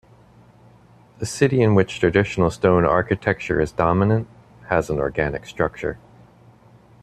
The city in which traditional stone architecture is dominant, has an organic structure.